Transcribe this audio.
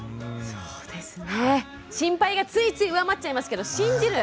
心配がついつい上回っちゃいますけど信じる。